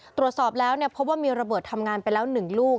ตรวจสอบแล้วพบว่ามีระเบิดทำงานไปแล้ว๑ลูก